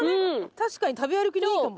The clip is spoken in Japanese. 確かに食べ歩きにいいかも。